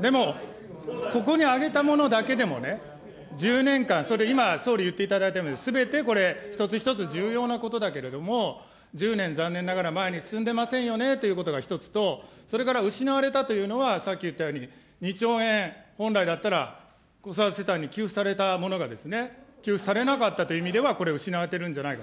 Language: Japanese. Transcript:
でも、ここに挙げたものだけでもね、１０年間、それ今、総理言っていただいたように、すべてこれ、一つ一つ重要なことだけれども、１０年残念ながら前に進んでませんよねということが一つと、それから失われたというのはさっき言ったように、２兆円、本来だったら、子育て世帯に給付されたものがですね、給付されなかったという意味では、これ失われているんじゃないかと。